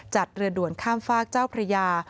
เรือด่วนข้ามฝากเจ้าพระยา